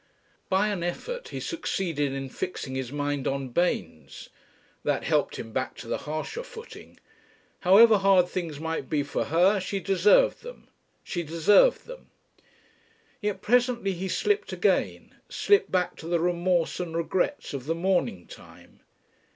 By an effort he succeeded in fixing his mind on Baynes. That helped him back to the harsher footing. However hard things might be for her she deserved them. She deserved them! Yet presently he slipped again, slipped back to the remorse and regrets of the morning time.